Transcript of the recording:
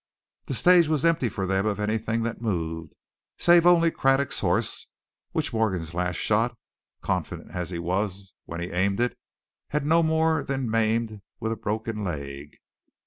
The stage was empty for them of anything that moved, save only Craddock's horse, which Morgan's last shot, confident as he was when he aimed it, had no more than maimed with a broken leg.